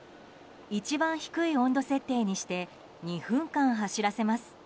一番低い温度設定にして２分間走らせます。